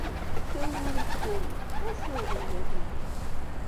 Tawuri n wul d asiweḍ n yidammen.